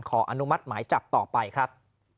อนุมัติหมายจับต่อไปครับ